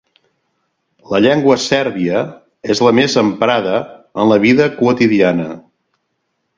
La llengua sèrbia és la més emprada en la vida quotidiana.